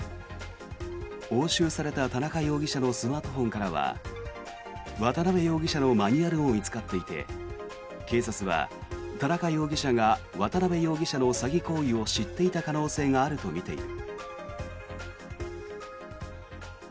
押収された田中容疑者のスマートフォンからは渡邊容疑者のマニュアルも見つかっていて警察は田中容疑者が渡邊容疑者の詐欺行為を知っていた可能性があるとみている。